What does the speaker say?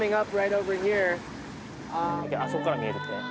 あそこから見えるって。